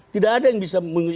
tidak ada yang bisa